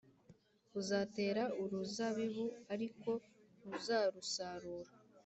Uzatera uruzabibu ariko ntuzarusarura.